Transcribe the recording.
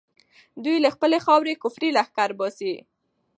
دوی له خپلې خاورې کفري لښکر باسي.